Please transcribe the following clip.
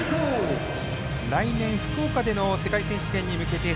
来年、福岡での世界選手権に向けて